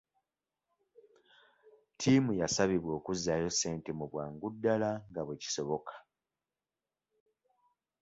Ttiimu yasabibwa okuzzaayo ssente mu bwangu ddala nga bwe kisoboka.